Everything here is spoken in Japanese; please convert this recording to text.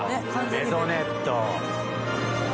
メゾネット。